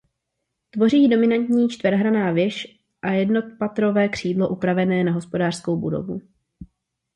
Tvoří ji dominantní čtverhranná věž a jednopatrové křídlo upravené na hospodářskou budovu.